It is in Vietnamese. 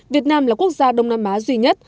việt nam là quốc gia đông nam á duy nhất